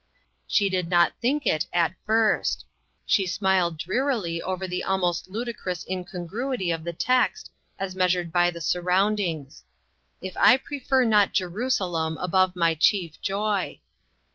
She did not think it at first. She smiled drearily over the almost ludicrous incongruity of the text as measured by the surround ings. " If I prefer not Jerusalem above my chief joy."